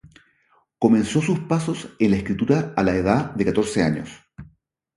Comenzó sus pasos en la escritura a la edad de catorce años.